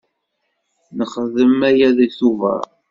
Nexdem aya deg Tubeṛ.